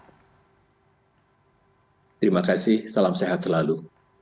terima kasih salam sehat selalu